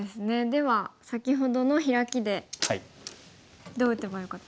では先ほどのヒラキでどう打てばよかったんでしょうか。